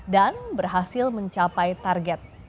dan berhasil menangkap israel